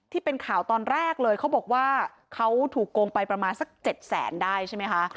ที่เป็นข่าวตอนแรกเลยเขาบอกว่าเขาถูกโกงไปประมาณสัก๗แสนได้ใช่ไหมคะ